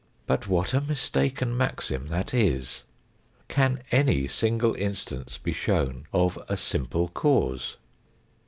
But what a mistaken maxim that is! Can any single instance be shown of a simple cause